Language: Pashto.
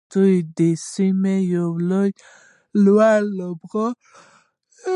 دوی د سیمې یو لوی لوبغاړی دی.